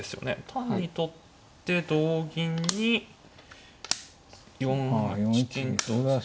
単に取って同銀に４一金と打つ。